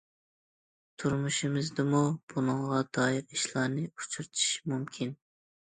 تۇرمۇشىمىزدىمۇ بۇنىڭغا دائىر ئىشلارنى ئۇچرىتىش مۇمكىن.